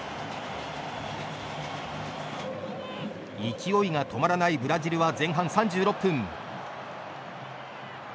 勢いが止まらないブラジルは前半３６分。